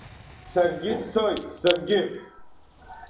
Саргьы сцоит, саргьы!